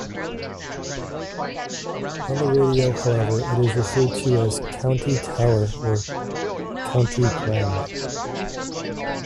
On the radio, however, it is referred to as "County Tower" or "County Ground".